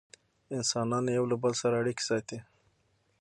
انسانان یو له بل سره اړیکې ساتي.